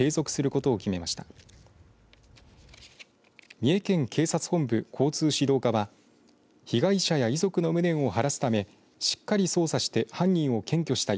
三重県警察本部交通指導課は被害者や遺族の無念を晴らすためしっかり捜査して犯人を検挙したい。